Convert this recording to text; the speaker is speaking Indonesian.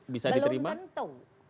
bisa diterima belum tentu